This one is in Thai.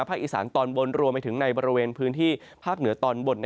อีสานตอนบนรวมไปถึงในบริเวณพื้นที่ภาคเหนือตอนบน